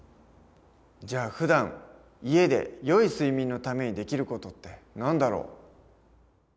じゃあふだん家でよい睡眠のためにできる事って何だろう？